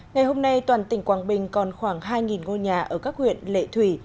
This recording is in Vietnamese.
ngày hôm nay toàn tỉnh quảng bình còn khoảng hai ngôi nhà ở các huyện lệ thủy